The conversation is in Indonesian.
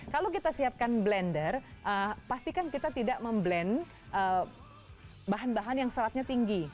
kalau kita siapkan blender pastikan kita tidak memblend bahan bahan yang seratnya tinggi